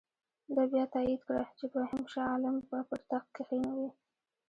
ده بیا تایید کړه چې دوهم شاه عالم به پر تخت کښېنوي.